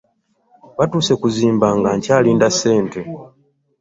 Butuuse kuziba nga nkyalinda ssente.